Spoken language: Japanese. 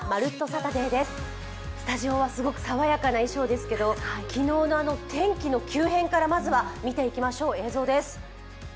スタジオはすごく爽やかな衣装ですけど昨日の天気の急変からまずは見ていきましょう、映像です。